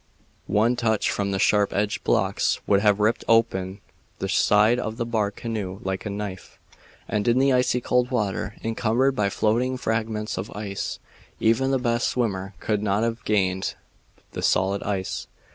One touch from the sharp edged blocks would have ripped open the side of the bark canoe like a knife, and in the icy cold water, encumbered by floating fragments of ice, even the best swimmer could not have gained the solid ice.